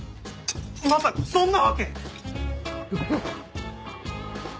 まさかそんなわけ！